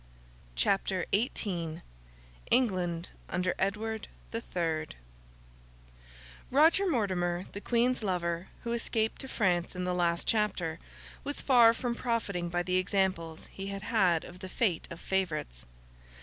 CHAPTER XVIII ENGLAND UNDER EDWARD THE THIRD Roger Mortimer, the Queen's lover (who escaped to France in the last chapter), was far from profiting by the examples he had had of the fate of favourites.